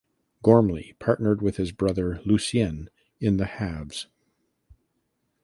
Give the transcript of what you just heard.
Gormley partnered his brother Lucien in the halves.